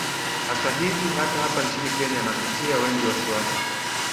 sasa hivi hata hapa nchini kenya yanatutia wengi wasiwasi